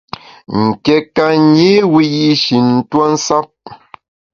Nké ka nyi wiyi’shi ntuo nsap.